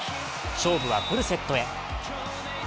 勝負はフルセットへ。